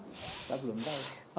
saya belum tahu